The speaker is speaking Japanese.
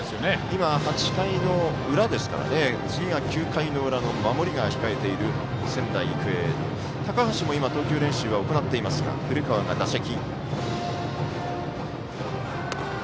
今、８回の裏ですから次、９回の裏の守りが控えている仙台育英、高橋も今、投球練習は行っていますが、古川が打席。